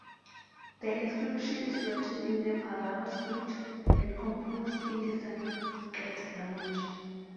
The inscription is written in the Pallava script and composed in the Sanskrit language.